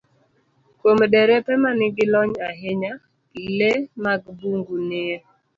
Kuom derepe ma nigi lony ahinya, le mag bungu nie